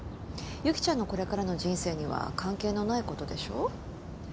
由岐ちゃんのこれからの人生には関係のないことでしょ？